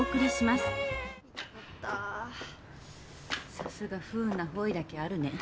さすが不運な方位だけあるね。